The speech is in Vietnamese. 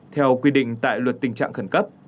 theo quy định tại luật tình trạng khẩn cấp